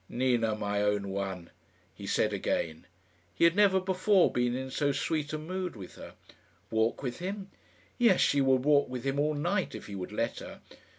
"Nina, my own one," he said again. He had never before been in so sweet a mood with her. Walk with him? Yes; she would walk with him all night if he would let her.